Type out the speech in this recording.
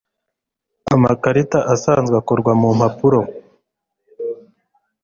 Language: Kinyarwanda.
amakarita asanzwe akorwa mu mpapuro